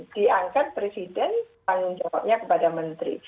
diangkat presiden tanggung jawabnya kepada menteri